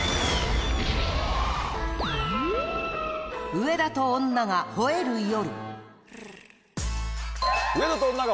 『上田と女が吠える夜』。